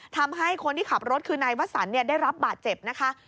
ทำให้คนที่ขับรถคือนายวสันได้รับบาดเจ็บนะคะ